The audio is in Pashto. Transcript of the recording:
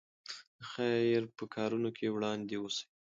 د خیر په کارونو کې وړاندې اوسئ.